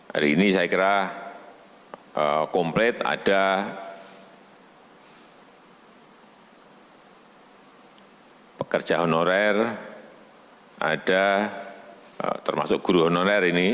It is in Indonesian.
hari ini saya kira komplit ada pekerja honorer ada termasuk guru honorer ini